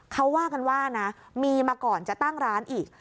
เขาว่ากันว่านะมีมาก่อนจะตั้งร้านอีก